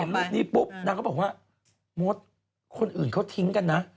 มฌศคนอื่นเค้าทิ้งกันนะ